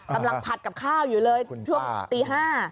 กำลังผัดกับข้าวอยู่เลยช่วงตี๕น